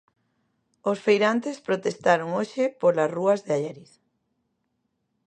Os feirantes protestaron hoxe polas rúas de Allariz.